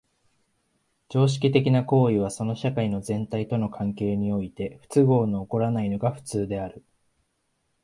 常識的な行為はその社会の全体との関係において不都合の起こらないのが普通である。